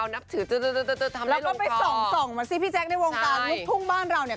แล้วก็ไปส่องมาสิพี่แจ๊คในวงการลูกทุ่งบ้านเราเนี่ย